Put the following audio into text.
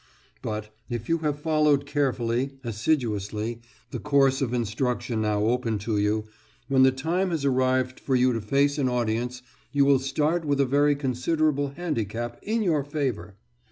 But, if you have followed carefully, assiduously, the course of instruction now open to you, when the time has arrived for you to face an audience you will start with a very considerable handicap in your favour.